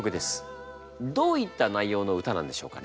どういった内容の歌なんでしょうかね？